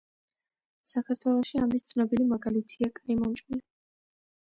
საქართველოში ამის ცნობილი მაგალითია კრიმანჭული.